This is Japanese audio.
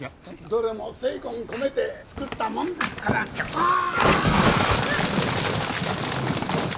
どれも精魂込めて作ったもんですからああ！